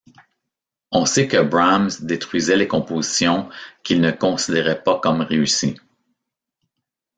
On sait que Brahms détruisait les compositions qu'il ne considérait pas comme réussies.